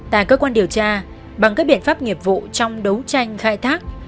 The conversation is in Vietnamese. tại cơ quan điều tra bằng các biện pháp nghiệp vụ trong đấu tranh khai thác